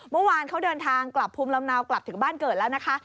เมื่อวานเขาเดินทางกลับภูมิลำเนากลับถึงบ้านเกิดแล้วนะคะ